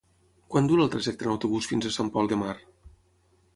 Quant dura el trajecte en autobús fins a Sant Pol de Mar?